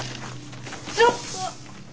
ちょっと！